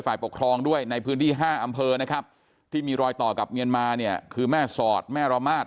ฝ่ายปกครองด้วยในพื้นที่๕อำเภอนะครับที่มีรอยต่อกับเมียนมาเนี่ยคือแม่สอดแม่ระมาท